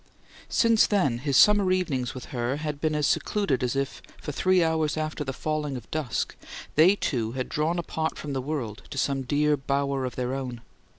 Since then, his summer evenings with her had been as secluded as if, for three hours after the falling of dusk, they two had drawn apart from the world to some dear bower of their own.